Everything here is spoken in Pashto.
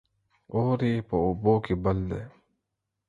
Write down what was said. اور يې په اوبو کې بل دى